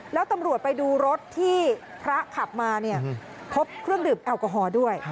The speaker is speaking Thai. แล้วตำรวจไปดูรถที่พระขับมาเนี่ยพบเครื่องดื่มแอลกอฮอล์ด้วย